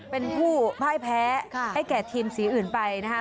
เป็นผู้พ่ายแพ้ให้แก่ทีมสีอื่นไปนะคะ